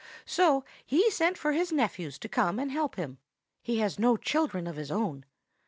So he sent for his nephews to come and help him (he has no children of his own).